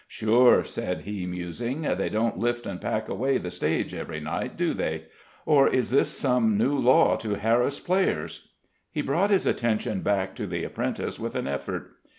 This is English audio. "Sure," said he, musing, "they don't lift and pack away the stage every night, do they? Or is this some new law to harass players?" He brought his attention back to the apprentice with an effort.